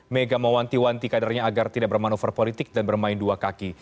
mega mewanti wanti kadernya agar tidak bermanuver politik dan bermain dua kaki